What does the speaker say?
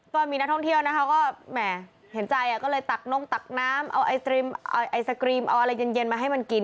ก็มีนักท่องเที่ยวนะคะก็แหมเห็นใจก็เลยตักนงตักน้ำเอาไอศกรีมเอาอะไรเย็นมาให้มันกิน